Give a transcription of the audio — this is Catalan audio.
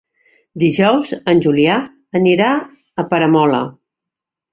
Dijous en Julià anirà a Peramola.